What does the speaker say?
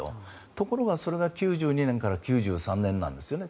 ところがそれが９２年から９３年なんですよね。